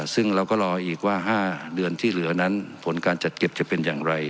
ซึ่งเราก็รออีกว่า๕เดือนที่เหลือนั้นผลการจัดเก็บจะเป็นอย่างไร